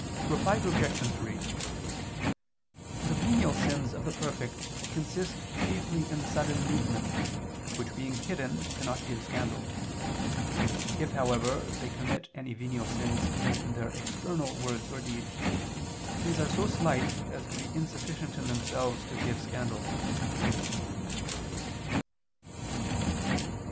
Reply Obj. 3: The venial sins of the perfect consist chiefly in sudden movements, which being hidden cannot give scandal. If, however, they commit any venial sins even in their external words or deeds, these are so slight as to be insufficient in themselves to give scandal.